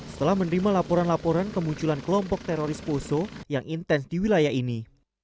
setelah menerima laporan laporan kemunculan kelompok teroris poso yang intens di wilayah ini